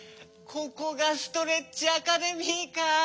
ここがストレッチ・アカデミーか。